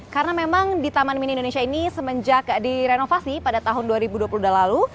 karena memang di taman mini indonesia ini semenjak direnovasi pada tahun dua ribu dua puluh dah lalu